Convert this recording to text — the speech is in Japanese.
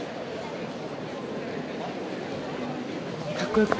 かっこよく。